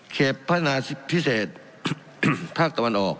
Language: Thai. พัฒนาพิเศษภาคตะวันออก